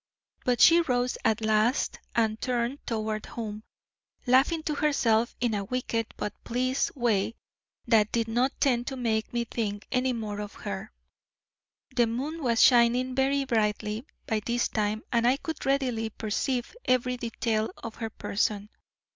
But she rose at last and turned toward home, laughing to herself in a wicked but pleased way that did not tend to make me think any more of her. The moon was shining very brightly by this time and I could readily perceive every detail of her person.